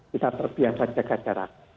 kita terbiasa jaga jarak